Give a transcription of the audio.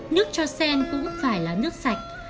nước cho sen cũng phải là nước sạch